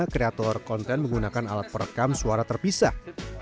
kreator konten menggunakan alat perekam suara terpisah